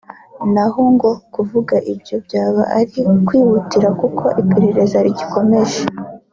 naho ngo kuvuga ibyo byaba ari ukwihuta kuko iperereza rigikomeje